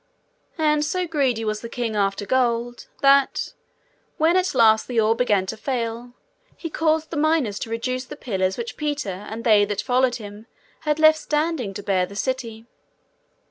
And so greedy was the king after gold, that when at last the ore began to fail, he caused the miners to reduce the pillars which Peter and they that followed him had left standing to bear the city.